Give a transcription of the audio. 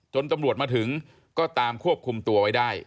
ตำรวจมาถึงก็ตามควบคุมตัวไว้ได้